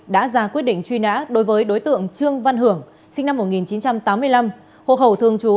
đã ra quyết định truy nã đối với đối tượng trương văn hưởng sinh năm một nghìn chín trăm tám mươi năm hộ khẩu thường trú